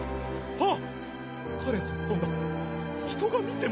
あっ！